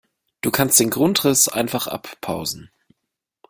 Du kannst den Grundriss einfach abpausen.